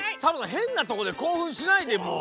へんなとこでこうふんしないでもう！